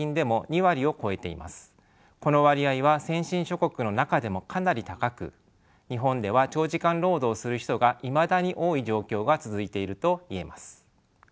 この割合は先進諸国の中でもかなり高く日本では長時間労働をする人がいまだに多い状況が続いていると言えます。